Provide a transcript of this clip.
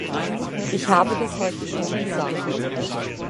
Ich habe das heute schon gesagt.